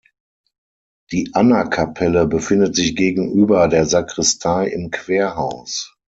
Die Annakapelle befindet sich gegenüber der Sakristei im Querhaus.